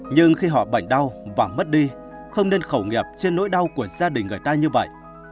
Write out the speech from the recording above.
nhưng khi họ bệnh đau và mất đi không nên khẩu nghiệp trên nỗi đau của gia đình người ta như vậy